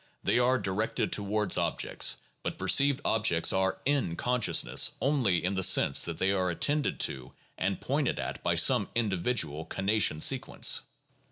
They are directed towards objects; but perceived objects are "in" consciousness only in the sense that they are attended to and pointed at by some individual conation sequence.